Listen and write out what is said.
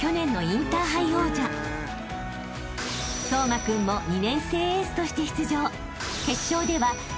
［颯真君も２年生エースとして出場］